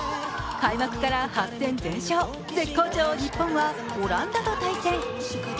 開幕から８戦全勝、絶好調・日本はオランダと対戦。